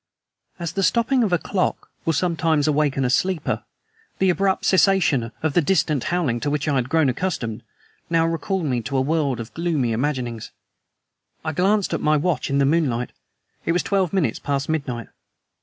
As the stopping of a clock will sometimes awaken a sleeper, the abrupt cessation of that distant howling, to which I had grown accustomed, now recalled me from a world of gloomy imaginings. I glanced at my watch in the moonlight. It was twelve minutes past midnight.